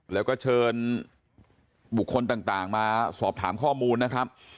แล้วก็เชิญบุคคลต่างมาสอบถามข้อมูลนะครับ